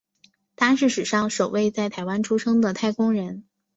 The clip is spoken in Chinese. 他是史上首位在台湾出生的太空人。